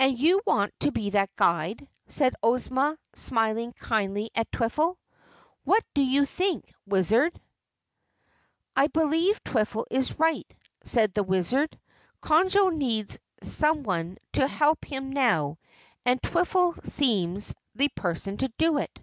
"And you want to be that guide," said Ozma smiling kindly at Twiffle. "What do you think, Wizard?" "I believe Twiffle is right," said the Wizard. "Conjo needs someone to help him now, and Twiffle seems the person to do it."